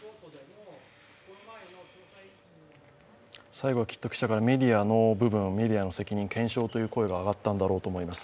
最後はきっと記者からメディアの部分、メディアの責任、検証という声が上がったのだろうと思います。